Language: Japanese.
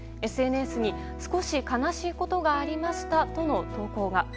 ＳＮＳに「少し悲しいことがありました」との投稿が。